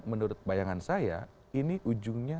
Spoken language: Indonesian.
menurut bayangan saya ini ujungnya